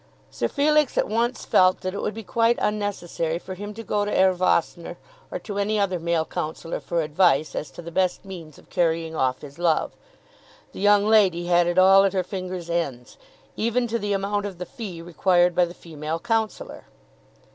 Sir Felix at once felt that it would be quite unnecessary for him to go to Herr Vossner or to any other male counsellor for advice as to the best means of carrying off his love. The young lady had it all at her fingers' ends, even to the amount of the fee required by the female counsellor.